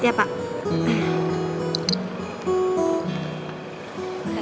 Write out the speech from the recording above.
para pem weekend